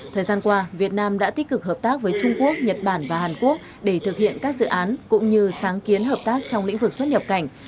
thời gian qua việt nam đã tích cực hợp tác với trung quốc nhật bản và hàn quốc để thực hiện các dự án cũng như sáng kiến hợp tác trong lĩnh vực xuất nhập cảnh